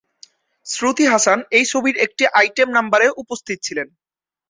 শ্রুতি হাসান এই ছবির একটি আইটেম নাম্বারে উপস্থিত ছিলেন।